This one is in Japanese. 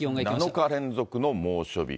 ７日連続の猛暑日。